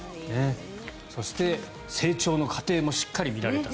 そして、成長の過程もしっかり見られた。